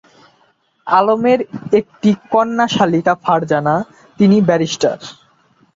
আলমের একটি কন্যা শাকিলা ফারজানা, তিনি ব্যারিস্টার।